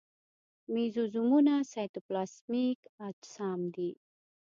مېزوزومونه سایتوپلازمیک اجسام دي.